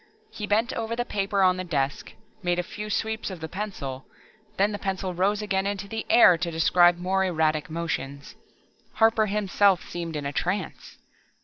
He bent over the paper on the desk, made a few sweeps of the pencil, then the pencil rose again into the air to describe more erratic motions. Harper himself seemed in a trance.